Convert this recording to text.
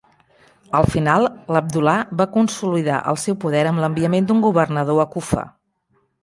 Al final, l'Abdullah va consolidar el seu poder amb l'enviament d'un governador a Kufa.